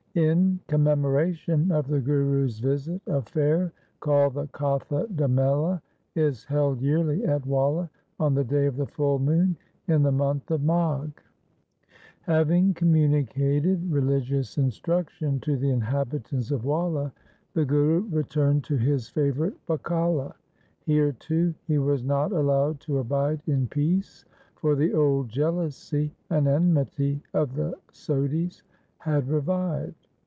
In commemoration of the Guru's visit a fair called the Kothe da Mela is held yearly at Walla on the day of the full moon in the month of Magh. Having communicated religious instruction to the inhabitants of Walla, the Guru returned to his favourite Bakala. Here too he was not allowed to abide in peace, for the old jealousy and enmity of the Sodhis had revived.